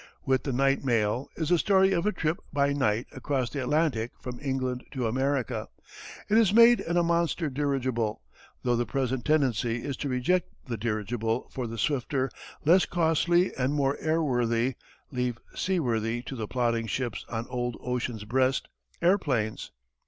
With the Night Mail, is the story of a trip by night across the Atlantic from England to America. It is made in a monster dirigible though the present tendency is to reject the dirigible for the swifter, less costly, and more airworthy (leave "seaworthy" to the plodding ships on old ocean's breast) airplanes.